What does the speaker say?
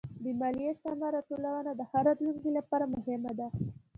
د ماليې سمه راټولونه د ښه راتلونکي لپاره مهمه ده.